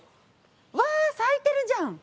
わ、咲いてるじゃん！